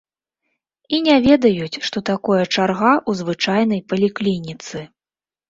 І не ведаюць, што такое чарга ў звычайнай паліклініцы.